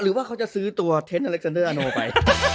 หรือว่าเขาจะซื้อตัวเทนต์อเล็กเซอร์เนอร์โนไป